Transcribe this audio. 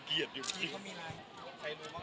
ใครจะแคลร์ก็แคลร์